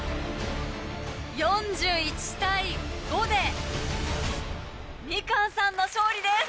４１対５でみかんさんの勝利です。